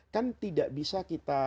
kan tidak bisa kita